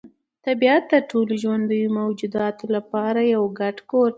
طبیعت د ټولو ژوندیو موجوداتو لپاره یو ګډ کور دی.